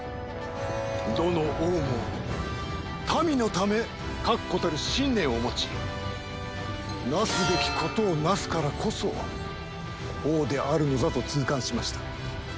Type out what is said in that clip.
どの王も民のため確固たる信念を持ちなすべきことをなすからこそ王であるのだと痛感しました。